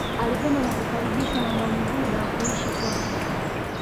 Alipendwa na kukaribishwa na Mwamududa kuishi kwake